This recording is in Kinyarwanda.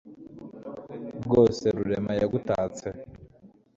bwose, rurema yagutatse